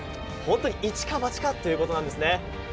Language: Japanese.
本当にいちかばちかということなんですね。